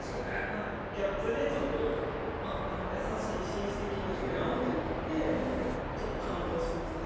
はいギャップでちょっと優しい紳士的な人やんってなって感動しましたね